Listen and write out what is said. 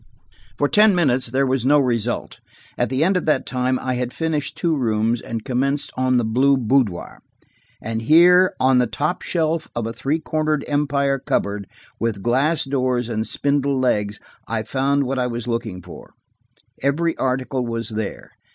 For ten minutes there was no result. At the end of that time I had finished two rooms, and commenced on the blue boudoir. And here, on the top shelf of a three cornered Empire cupboard, with glass doors and spindle legs, I found what I was looking for. Every article was there.